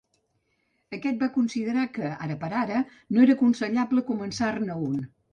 Aquest va considerar que, ara per ara, no era aconsellable començar-ne un.